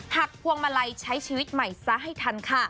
พวงมาลัยใช้ชีวิตใหม่ซะให้ทันค่ะ